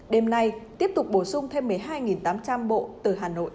đêm nay tiếp tục bổ sung thêm một mươi hai tám trăm linh bộ từ hà nội